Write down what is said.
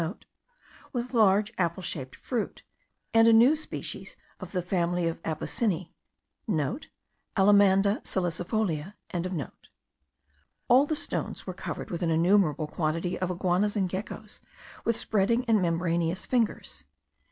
with large apple shaped fruit, and a new species of the family of the apocyneae.* (* Allamanda salicifolia.) All the stones were covered with an innumerable quantity of iguanas and geckos with spreading and membranous fingers.